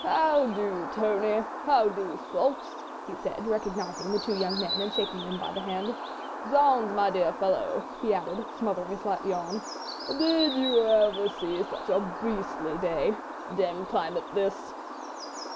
"How do, Tony? How do, Ffoulkes?" he said, recognising the two young men and shaking them by the hand. "Zounds, my dear fellow," he added, smothering a slight yawn, "did you ever see such a beastly day? Demmed climate this."